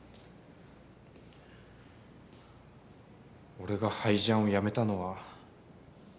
俺がハイジャンをやめたのは。